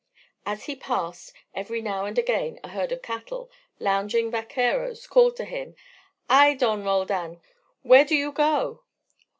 As he passed, every now and again, a herd of cattle, lounging vaqueros called to him: "Ay, Don Roldan, where do you go?"